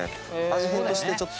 味変としてちょっと。